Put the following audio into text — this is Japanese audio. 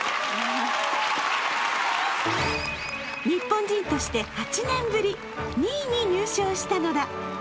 日本人として８年ぶり、２位に入賞したのだ。